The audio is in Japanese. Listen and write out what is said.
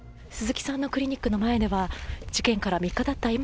鈴木さんのクリニックの前では事件から３日たった